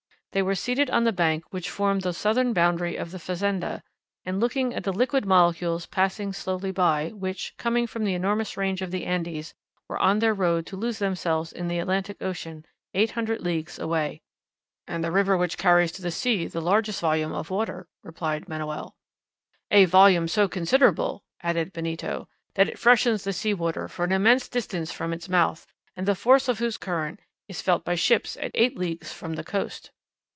They were sitting on the bank which formed the southern boundary of the fazenda, and looking at the liquid molecules passing slowly by, which, coming from the enormous range of the Andes, were on their road to lose themselves in the Atlantic Ocean eight hundred leagues away. "And the river which carries to the sea the largest volume of water," replied Manoel. "A volume so considerable," added Benito, "that it freshens the sea water for an immense distance from its mouth, and the force of whose current is felt by ships at eight leagues from the coast."